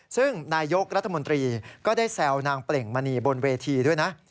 ซึ่งนายกรัฐมนตรีก็ได้แซวนางเปล่งมณีบนเวทีด้วยนะ